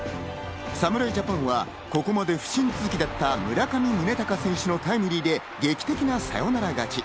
侍ジャパンはここまで不振続きだった、村上宗隆選手のタイムリーで劇的なサヨナラ勝ち。